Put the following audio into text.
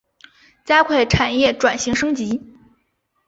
加快产业转型升级